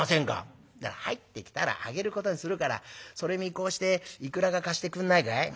「入ってきたらあげることにするからそれ見越していくらか貸してくんないかい？」。